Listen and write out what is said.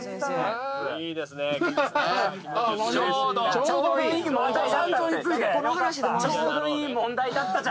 「ちょうどいい問題だった」って。